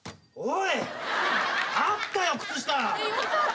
おい。